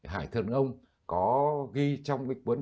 hải thường ông có ghi trong cái cuốn